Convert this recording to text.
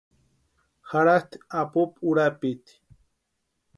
Jaratʼi apupu urapiti.